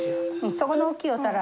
そこの大きいお皿。